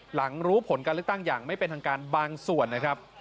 หลังรู้ผลการเลือกตั้งอย่างไม่เป็นทางการบางส่วนนะครับ